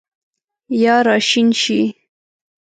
یا راشین شي